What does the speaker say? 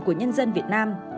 của nhân dân việt nam